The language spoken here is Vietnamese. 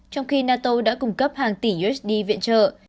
trong khi nato đã cung cấp hàng tỷ usd viện trợ